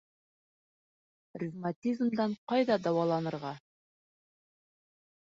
Ревматизмдан ҡайҙа дауаланырға?